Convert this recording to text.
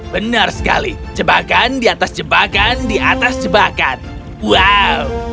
benar sekali jebakan di atas jebakan di atas jebakan wow